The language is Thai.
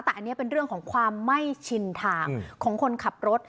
แต่อันนี้เป็นเรื่องของความไม่ชินทางของคนขับรถ